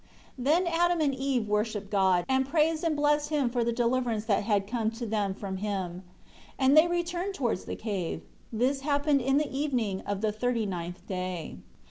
12 Then Adam and Eve worshipped God, and praised and blessed Him for the deliverance that had come to them from Him. And they returned towards the cave. This happened in the evening of the thirty ninth day.